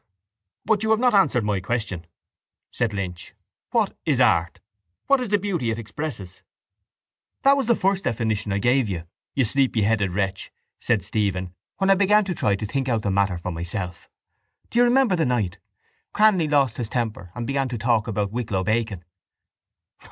—But you have not answered my question, said Lynch. What is art? What is the beauty it expresses? —That was the first definition I gave you, you sleepyheaded wretch, said Stephen, when I began to try to think out the matter for myself. Do you remember the night? Cranly lost his temper and began to talk about Wicklow bacon.